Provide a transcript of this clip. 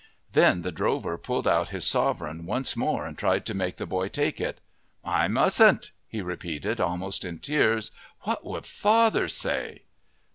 Then the drover pulled out his sovereign once more and tried to make the boy take it. "I mustn't," he repeated, almost in tears. "What would father say?"